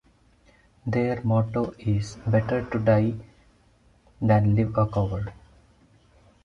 Their motto is: "Better to die than live a coward".